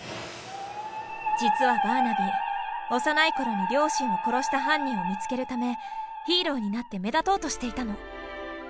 実はバーナビー幼い頃に両親を殺した犯人を見つけるためヒーローになって目立とうとしていたの。